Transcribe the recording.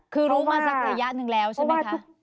คือรู้มาสักระยะหนึ่งแล้วใช่ไหมคะ